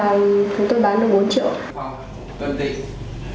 và chúng tôi bán được bốn triệu